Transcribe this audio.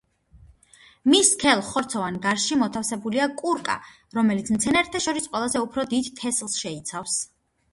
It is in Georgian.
მის სქელ ხორცოვან გარსში მოთავსებულია კურკა, რომელიც მცენარეთა შორის ყველაზე უფრო დიდ თესლს შეიცავს.